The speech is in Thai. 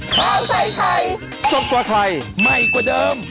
เผ้าใส่ไข่ซบกว่าไข่ไหม้กว่าเดิม